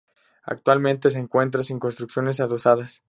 Actualmente se encuentra sin construcciones adosadas.